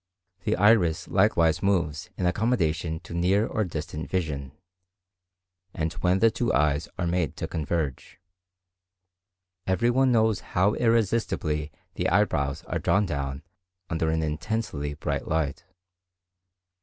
The iris likewise moves in accommodation to near or distant vision, and when the two eyes are made to converge. Every one knows how irresistibly the eyebrows are drawn down under an intensely bright light.